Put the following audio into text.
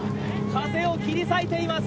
風を切り裂いています。